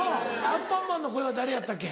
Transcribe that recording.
アンパンマンの声は誰やったっけ？